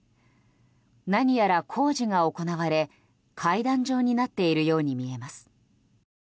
何やら工事が行われ、階段状になっているように見えます。